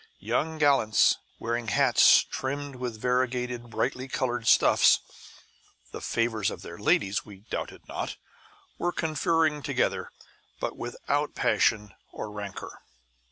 Young gallants, wearing hats trimmed with variegated brightly coloured stuffs (the favours of their ladies, we doubted not), were conferring together, but without passion or rancour.